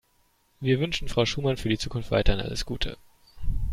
Wir wünschen Frau Schumann für die Zukunft weiterhin alles Gute.